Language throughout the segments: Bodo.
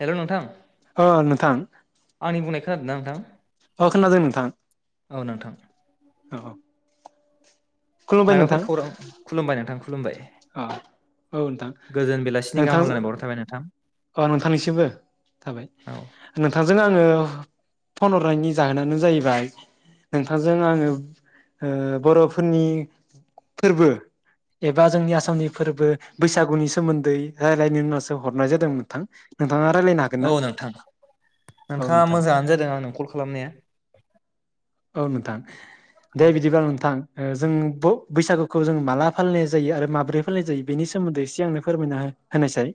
हेलौ नोंथां अ नोंथां आंनि बुंनायखो खोनादों ना नोंथां अ खोनादों नोंथां औ नोंथां औ खुलुमबाय माबाफोर नोंथां खौरां खुलुमबाय नोंथां खुलुमबाय अ औ नोंथां गोजोन बेलासिनि गाहाम नोंथांजों हामलायनाय बाउहरनाय थाबाय नोंथां अ नोंथांनिसिमबो थाबाय औ नोंथांजों आं ओ फन हरनायनि जाहोनानो जाहैबाय नोंथांजों आङो ओ बरफोरनि फोरबो एबा जोंनि आसामनि फोरबो बैसागुनि सोमोन्दै रायज्लायनो होननासो हरनाय जादोंमोन थां औ नोंथां औ नोंथाङा नोंथां मोजाङानो जादों आंनो कल खालामनाया औ नोंथां दे औ बिदिबा नोंथां जों ब-बैसागुखौ जों माला फालिनाय जायो आरो माबोरै फालिनाय जायो बेनि सोमोन्दै एसे आंनो फोरमायना होनायसै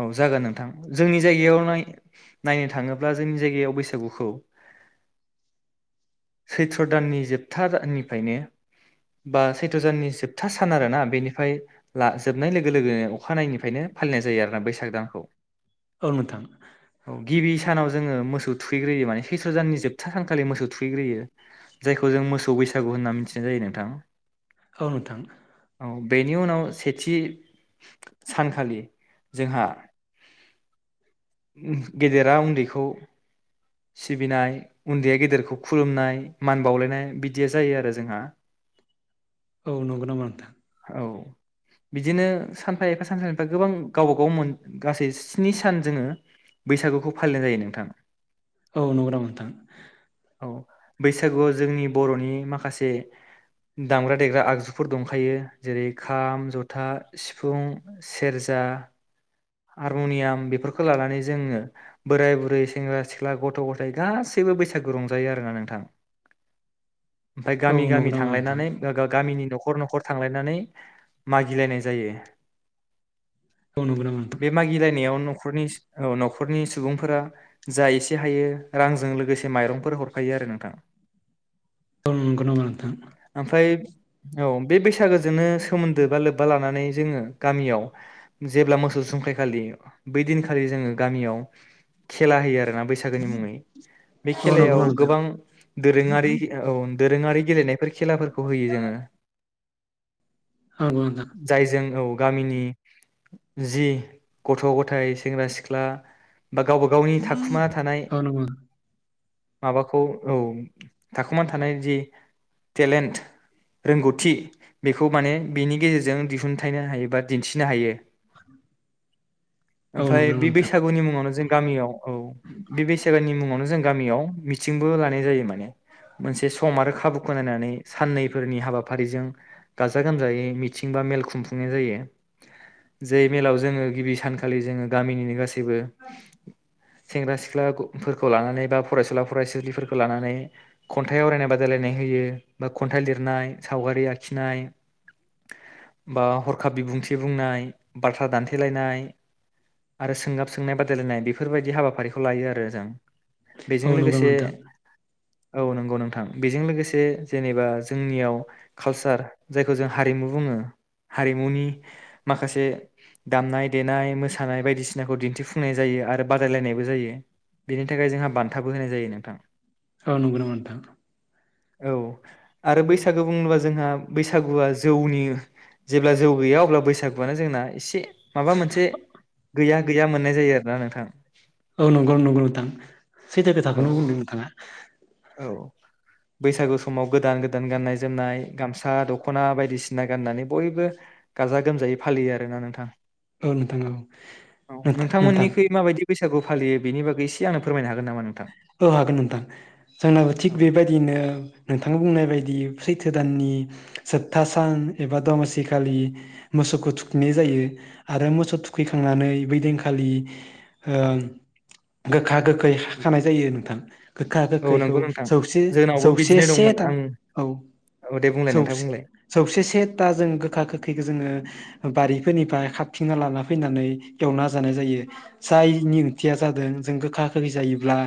औ जागोन नोंथां जोंनि जायगायाव नाय नायनो थाङोब्ला जोंनि जायगायाव बैसागुखौ सैथ्र दाननि जोबथानिफ्रायनो बा सैथ्र दाननि जोबथा सान आरोना बेनिफ्राय जोबनाय लोगो लोगोनो अखानायैफ्रायनो फालिनाय जायो आरो बैसाग दानखौ औ नोंथां औ गिबि सानाव जोङो मोसौ थुैग्रोयो माने सैस्थ्र''जाननि जोबथा सानखालि मोसौ थुयैग्रोयो जाय जों मोसौ बैसागु होनना मिथिनाय जायो नोंथां। औ नोंथां औ बेनि उनाव सेथि सानखालि जोंहा गेदेरा उन्दैखौ सिबिनाय उन्दैया गेदेरखौ खुलुमनाय मान बावलायनाय बिदिया जायो आरो जोंहा। औ नंगौ नामा नोंथां औ बिदिनो सानफा एफा सानफा एफा गोबां गावबा गाव मोन गासै स्नि सान जोङो बैसागुखौ फालिनाय जायो नोंथाङा औ नंगौ नामा नोंथां? औ बैसागुआव जोंनि बर'नि माखासे दामग्रा देग्रा आगजुफोर दंखायो। जेरै खाम जथा सिफुं सेरजा हारमुनियाम बेफोरखौ लानानै जोङो बोराय बुरै सेंग्रा सिख्ला गथ' गथायाइ गासैबो बैसागु रंजायो आरोना नोंथां ओमफाय औ गामि नंगौ गामि नामा नोंथां थांलायनानै गामिनि न'खर न'खर थांलायनानै मागिलायनाय जायो। औ नंगौ नामा नोंथां बे मागिलायनायाव नखरनि औ न'खरनि सुबुंफोरा जा एसे हायो रांजों लोगोसे माइरंफोर हरखायो आरो नोंथाङा औ नंगौ नामा नोंथां औ बे बैसागोजोंनो सोमोन्दो बा लोब्बा लानानै जोङो गामियाव जेब्ला मोसौ। अनसुंथाइ खालि बै दिनखालि जोङो गामियाव खेला होयो। जोङा बैसागोनि मुङै बे औ नंगौ खेलायाव नामा नोंथां गोबां दोरोङारि औ दोरोङारि गेलेनाय बेफोर खेलाफोरखौ होयो जोङो। जायजों औ गामिनि जि गथ' गथाय सेंग्रा सिख्ला बा गावबा गावनि थाखुमाना थानाय। औ नंगौ नोंथां औ नंगौ माबाखौ औ थाखोमा थानाय जि टेलेन्ट रोंगौथि बेखौ माने बेनि गेजेरजों दिहुनथायाइनो हायो बा दिन्थिनो हायो। [inaudible] औ ओमफाय नंगौ नामा बे नोंथां बैसागुनि मुङावनो जों गामियाव औ बे बैसागुनि मुङावनो जों गामियाव मिथिंबो लानाय जायो माने मोनसे सम आरो खाबुखौ नायनानै साननैफोरनि हाबाफारिजों गाजा गोमजायै मिथिं बा मेल खुंफुंनाय जायो जे मेलाव जोङो गिबि सानखालि जोङो गामिनिनो गासै जेबो सेंग्रा सिख्लाफोरखौ लानानै बा फरायसुला फरायसुलिफोरखौ लानानै खन्थाइ आवरायनाय बादायलायनाय होयो बा खन्थाइ लिरनाय सावगारि आखिनाय बा हरखाब बिबुंथि बुंनाय बाथ्रा दान्थे। फेलायनाय आरो सोंगाब सोंनाय बादायलायनाय बेफोरबायदि हाबाफारिखौ लायो आरो जों। औ बेजों नंगौ नामा लोगोसे नोंथां औ नंगौ नोंथां बेजों लोगोसे जेनेबा जोंनियाव कालसार जायखौ जों हारिमु बुङो हारिमुनि माखासे दामनाय देनाय मोसानाय बायदिसिनाखौ दिन्थिफुंनाय जायो आरो बादायलायनायबो जायो बेनि थाखाय जोंहा बान्थाबो होनाय जायो नोंथां। आ नंगौ नामा नोंथां औ आरो बैसागु बुङोब्ला जोंहा बैसागुआ जौनि जेब्ला जौ गैया अब्ला बैसागुआनो जोंना एसे माबा मोनसे गैया गैया मोननाय जायो आरोना नोंथां औ नंगौ नंगौ नोंथां सैथो औ खोथाखौनो बुंदों नोंथाङा। औ बैसागु समाव गोदान गोदान गाननाय जोमनाय गामसा दख'ना बायदिसिना गाननानै बयबो गाजा गोमजायै फालियो आरोना नोंथां। औ नोंथां औ औ नों-नोंथां नोंथांमोननिखै माबायदि बैसागु फालियो बेनि बागै एसे आंनो फोरमनो हागोन नामा नों औ हागोन नोंथां जोंनाबो थिग औ बेबायदियैनो नोंथाङा बुंनाय बायदि सैथो। दाननि जोबथा सान एबा दमासि खालि मोसौखौ थुखैनाय जायो आरो मोसौ थुखैखांनानै बैदिंखालि ओ गोखा गोखै खानाय जायो नोंथां। गोखा औ नंगौ नोंथां गोखैखौसे जोंनावबो सौसे बिदिनो दंमोन सेथा आं औ दे बुंलाय नोंथां औसे बुंलाय सौसे सेथा जों गोखा गोखैखौ जोङो बारि फोरनिफ्राय खारथिंना लाना फैनानै एवना जानाय जायो जायनि ओंथिया जादों जों गोखा गोखै जायोब्ला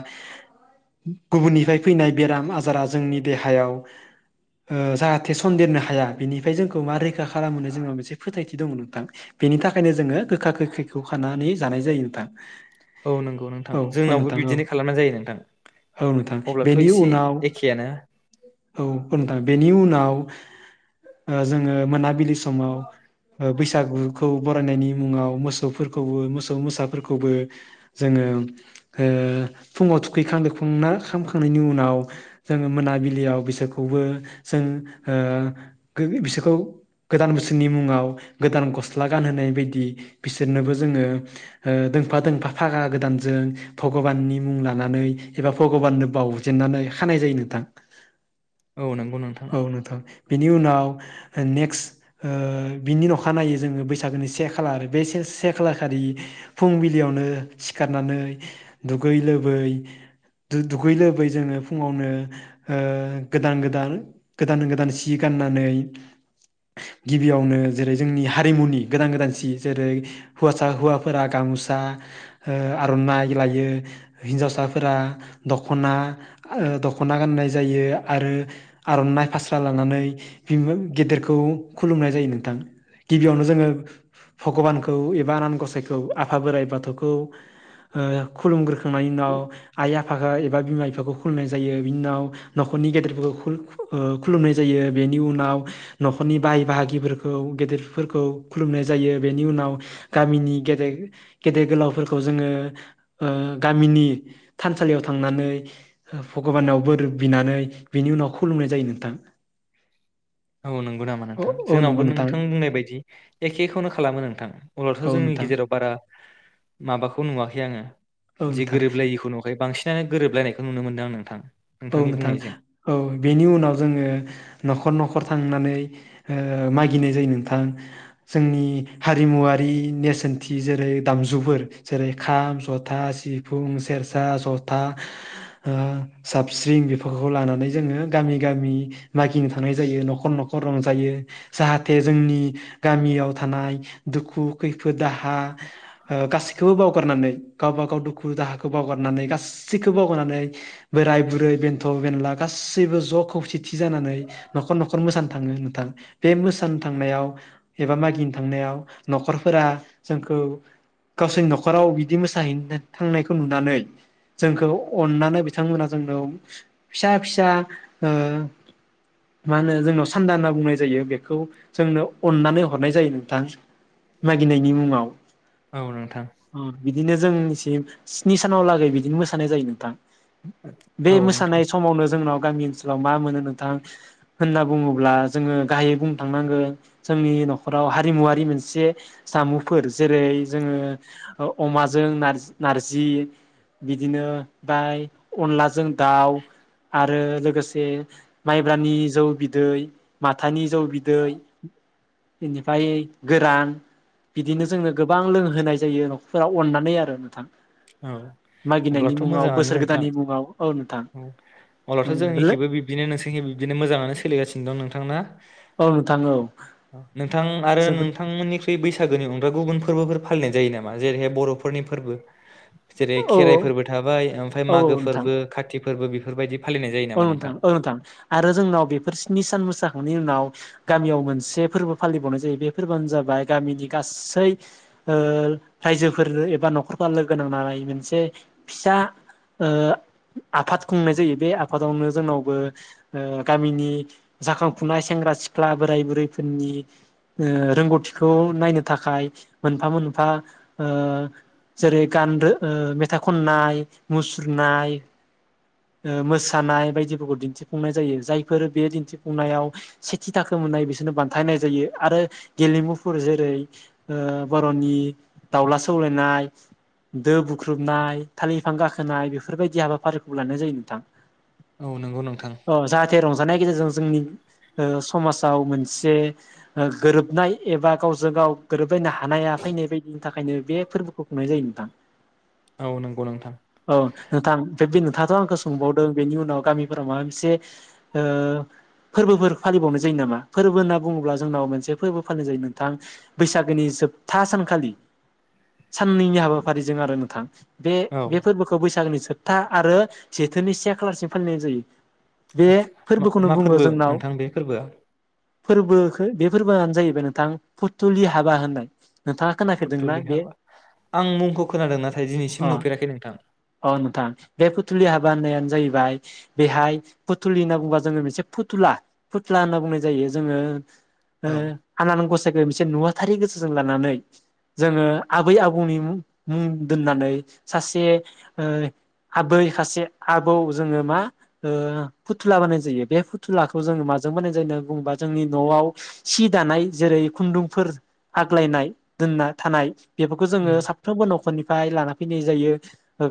गुबुननिफ्राय फैनाय बेराम आजारा जोंनि देहायाव ओ जाहाथे सन्देरनो हाया बेनिफ्राय जोंखौ मा रैखा खालामहो जोंहा मोनसे फोथायथि दङ नोंथां बेनि थाखायनो जोङो गोखा गोखैखौ खानानै जानाय जायो नोंथां। औ नंगौ नोंथां औ औ जोंनावबो नोंथां औ बिदिनो खालामो औ नोंथां बेनि एसे उनाव एखेयानो औ औ नोंथां बेनि उनाव जोङो मोनाबिलि समाव बैसागुखौ बरायनायनि मुङाव मोसौफोरखौबो मोसौ मोसाफोरखौबो जोङो ओ फुङाव थुखैखांदोबखांना खांनायनि उनाव जोङो मोनाबिलियाव बिसोरखौबो जों ओ बिसोरखौ गोदान बोसोरनि मुङाव गोदान गस्ला गानहोनाय बायदि बिसोरनोबो जोङो ओ दोंफा दोंफा फागा गोदानजों भगबाननि मुं लानानै एबा भगबाननो बाउजेननानै खानाय जायो नोंथां। औ नंगौ नोंथां बेनि उनाव नेक्स्ट ओ बिनि अखा नायो जोङो बैसागोनि से खालार बे से खालार खालि फुंबिलियावनो सिखारनानै दुगै लोबै दु-दुगै लोबै जोङो फुङावनो ओ गोदान गोदान गोदान गोदान सि गाननानै गिबियावनो जेरै जोंनि हारिमुनि गोदान गोदान सि जेरै हौवासा हौवा फोरा गामसा ओ आर'नाइ लायो। हिनजावसाफोरा दख'ना ओ दख'ना गाननाय जायो आरो आर'नाइ फास्रा लानानै [unintelligible] गेदेरखौ खुलुमनाय जायो नोंथां गिबियावनो जोङो भगबानखौ एबा आनान गसाइखौ आफा बोराइ बाथौखौ ओ खुलुमग्रो खांनायनि उनाव आइ आफा एबा बिमा बिफाखौ खुलुमनाय जायो बिनि उनाव न'खरनि गेदेरफोरखौ खु-खु ओ खुलुमनाय जायो बेनि उनाव न'खरनि बाहाय बाहागिफोरखौ गेदेरफोरखौ खुलुमनाय जायो बेनि उनाव गामिनि गेद गेदेर गोलावफोरखौ जोङो ओ गामिनि थानसालियाव थांनानै भगबानाव बोर बिनानै बिनि उनाव खुलुमनाय जायो नोंथां। औ नंगौ नामा औ नोंथां औ जोंनावबो नंगौ नोंथां बुंनाय बायदि एखेखौनो खालामो नोंथां। अब्लाथ' औ जोंनि नोंथां गेजेराव बारा माबाखौ नुवाखै आङो औ जे नोंथां गोरोबलायिखौ नुवाखै बांसिन [unintelligible] गोरोबलायनायखौ नुनो मोनदों आं नोंथां औ नोंथांनि नोंथां बुंनायजों औ बेनि उनाव जोङो न'खर न'ख फोर थांनानै ओ मागिनाय जायो नोंथां जोंनि हारिमुआरि नेरसोनथि जेरै दामजुफोर जेरै खाम, जथा, सिफुं, सेरसा, जथा जाबस्रिं बेफोरखौ लानानै जोङो गामि गामि मागिनो थांनाय जायो न'खर न'खर रंजायो जाहाथे जोंनि गामियाव थानाय दुखु खैफोद दाहा ओ गासैखौबो बावगारनानै गावबा गाव दुखु दाहाखौ बावगारनानै गासैखौबो बावगारनानै बोराइ बुरै बेन्थ' बेनला गासैबो ज' खौसेथि जानानै न'खर न'खर मोसानो थाङो नोंथां बे मोसानो थांनायाव एबा मागिनो थांनायाव न'खरफोरा जोंखौ गावसोरनि न'खराव बिदि मोसाहैनो थांनायखौ नुनानै जोंखौ अननानै बिथांमोना जोंनाव फिसा फिसा ओ मा होनो जोंनाव सान्दा होनना बुंनाय जायो बेखौ जोंनो अन्नानै हरनाय जायो नोंथां मागिनायनि मुङाव औ नोंथां बिदिनो जोंनिसिम स्नि सानाव लागै बिदिनो मोसानाय जायो नोंथां बे औ नोंथां मोसानाय समावनो जोंनाव गामि ओनसोलाव मा मोनो नोंथां होनना बुङोब्ला जोङो गाहायै बुंनो थांनांगोन जोंनि न'खराव हारिमुआरि मोनसे जामुंफोर जेरै जोङो अमाजों नार-नारजि बिदिनो बाय अनलाजों दाउ आरो लोगोसे माइब्रानि जौ बिदै माथानि जौ बिदै इनिफ्रायै गोरान बिदिनो जोंनो गोबां लोंहोनाय जायो न'खरफोराव अननानै आरो नोंथां औ मागिनायनि अब्लाथ' मुङाव मोजाङानो बोसोर नोंथां गोदाननि मुङाव औ उम अब्लाथ' नोंथां जोंनिखेबो बिब्दिनो नोंसोरनि खेब बिबदिनो मोजाङानो सोलिगासिनो दं नोंथां ना औ नोंथां औ नोंथां आरो जोबोद नोंथांमोननिख्रुइ बैसो बैसागोनि अनगा गुबुन फोरबोफोर फालिनाय जायो नामा जेरैहाय बर'फोरनि फोरबो जेरै औ खेराइफोरबो थाबाय ओमफाय मागो फोरबो खाथि फोरबो बेफोर बायदि ओ नोथां ओ नोथां आरो जोंनाव बेफोर स्नि सान मोसा नि उनाव गामियाव मोनसे फोरबो फालिबावनाय जायो बे फोरबोआनो जाबाय गामिनि ओ गासै रायजोफोरै एबा न'खरफोरा लोगो नांनानै मोनसे फिसा ओ आफाद खुंनाय जायो बे आ आफादावनो जोंनावबो ओ गामिनि जाखांफुनाय सेंग्रा सिख्ला बोराइ बुरैफोरनि ओ रोंगौथिखौ नायनो थाखाय मोनफा मोनफा ओ जेरै गानदो मेथाइ खननाय मुसुरनाय ओ मोस सानाय बायदिफोरखौ दिन्थिफुंनाय जायो जायफोर बे दिन्थिफुंनायाव सेथि थाखो मोननाय बिसोरनो बान्थाय होनाय जायो आरो गेलेमुफोर जेरै ओ बर'नि दाउला सौलायनाय दो बुख्रुबनाय थालिर बिफां गाखोनाय बेफोरबायदि हाबाफारिखौ लानाय जायो नोंथां औ नंगौ नोंथां अ जाहाथे रंजानाय गेजेरजों जोंनि ओ समाजाव मोनसे गोरोबनाय एबा गावजों गाव गोरोबलायनो हानाया फायनाय बायदिनि थाखायनो बे फोरबोखौ खुंनाय जायो नोंथां औ नंगौ नोंथां औ नोंथां बे नोंथाङाथ' आंखो सोंबावदों बेनि उनाव गामिफोराव माबा मोनसे ओ फोरबोफोर फालिबावनाय जायो नामा फोरबो होनना बुङोब्ला जोंनाव मोनसे फोरबो फालिनाय जायो नोंथां बैसागोनि जोबथा सानखालि साननैनि हाबाफारिजों आरो नोंथां बे औ बे फोरबोखौ बैसागोनि सो था आरो जेथोनि से खालारसिम फालिनाय जायो बे आदसा मा फोरबोखौनो मा बुङो फोरबो जोंनाव नोंथां बे फोरबोआ फोरबोखो बे फोरबोआनो जाहैबाय नोंथां फुथुलि हाबा होननाय नोंथाङा खोनाफेरदोंना फुथुलि बे हाबा आं मुंखौ खोनादों नाथाय अ दिनैसिम नुफेराखै नोंथां बानायानो जायो बेहाय फुथुलि होनना बुंबा जोङो मोनसे फुथुला फुथुला होनना बुंनाय जायो जोङो ओ औ आनान गसाइ मोनसे नुवाथारि गोसोजों लानानै जोङो आबै आबौनि मुं मुं दोननानै सासे ओ आबै सासे आबौ जोङो मा ओ फुथुला बानायनाय जायो बे फुथुलाखौ जोङो माजों बानायनाय जायो होननानै बुङोबा जोंनि न'आव सि दानाय जेरै खुन्दुंफोर आग्लायनाय दोनना थानाय बेफोरखौ जोङो साफ्रोमबो न'खरनि [unintelligible] लाना फैनाय जायो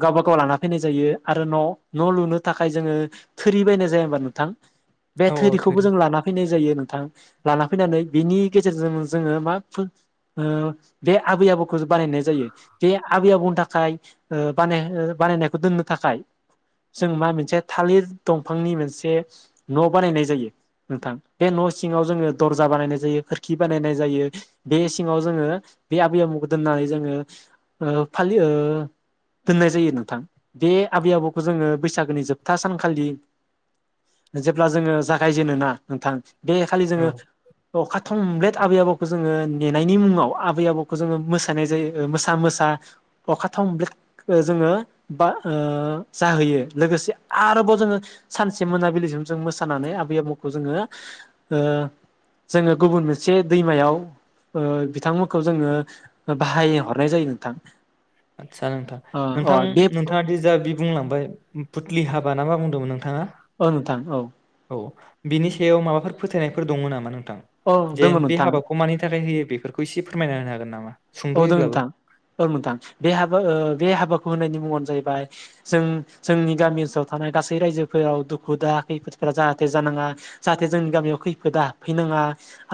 गावबा गाव लाना फैनाय जायो आरो न' न' लुनो थाखाय जोङो थोरि बायनाय जाया होनबा नोंथां। बे औ औ थोरिखौबो थोरि जों लाना फैनाय जायो नोंथां लाना फैनानै बेनि गेजेरजों जोङो मा ओ बे आबै आबौखौ बानायनाय जायो बे आबै आबौनि थाखाय बानाय बानायनायखौ दोननो थाखाय जों मा मोनसे थालिर दंफांनि मोनसे न' बानायनाय जायो नोंथां बे न' सिङाव जोङो दरजा बानायनाय जायो खोरखि बानायनाय जायो बे सिङाव जोङो बे आबै आबौखौ दोननानै जोङो फालियो ओ दोननाय जायो नोंथां बे आबै आबौखौ जोङो बैसागोनि जोबथा सानखालि जेब्ला जोङो जागायजेनो ना नोंथां बे खालि औ जोङो खा थमब्लेद आबै आबौखौ जोङो नेनायनि मुङाव आबै आबौखौ जोङो मोसानाय जायो मोसा मोसा अखा थब्लेद जोङो बा जाहोयो लोगोसे आरोबाव जोङो सानसे मोनाबिलिसिम जों मोसानानै आबै आबौखौ जोङो जोङो ओ गुबुन मोनसे दैमायाव बिथांमोनखौ जोङो बाहायहरनाय जायो नोंथां आदसा नोंथां अ अ नोंथां बे नोंथाङा दि जा बि बुंलांबाय फुथलि हाबा ना मा बुंदोंमोन नोंथाङा औ नोंथां औ बिनि सायाव माबाफोर फोथायनायफोर दङ नामा? औ जे दोङो बे नोंथां हाबाखौ मानि थाखाय होयो बेफोरखौ इसे फोरमायना होनो हागोन नामा औ दं सुंद'योब्लाबो नोंथां औ नोंथां बे हाबा ओ बे हाबाखौ होनना जाबाय जों जोंनि गामि ओनसोलाव थानाय गासै रायजोफोराव दुखु दाहा खैफोदफोरा जाहाथे जानाङा जाहाथे जोंनि गामियाव खैफोदा हाबफैनाङा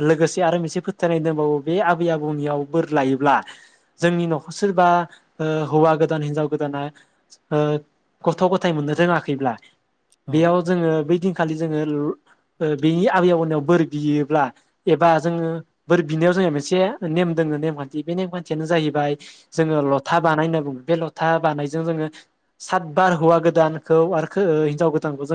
लोगोसे आरो मोनसे फोथायनाय दंबावो बे आबै आबौनियाव बोर लायोब्ला जोंनि न'खर सोरबा हौवा गोदान हिनजाव गोदाना ओ गथ' गथाय मोननो रोङाखैब्ला औ बेयाव जोङो बै खालि जोङो बेनि आबै आबौनायाव बोर बियोब्ला एबा जोङो बोर बिनायाव जोङो मोनसे नेम दङ खान्थि बे नेमखानथियानो जाहैबाय जोङो लथा बानाय नांगौ लथा बानायजों जोङो साथ' बार हौवा गोदानखौ आरो हिनजाव गोदानखौ जों